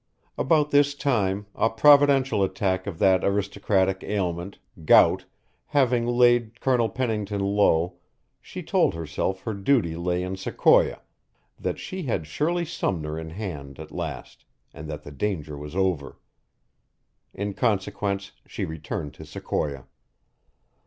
About this time, a providential attack of that aristocratic ailment, gout, having laid Colonel Pennington low, she told herself her duty lay in Sequoia, that she had Shirley Sumner in hand at last and that the danger was over. In consequence, she returned to Sequoia.